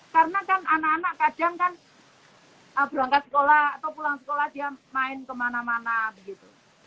karena kan anak anak kadang kan berangkat sekolah atau pulang sekolah dia main kemana mana begitu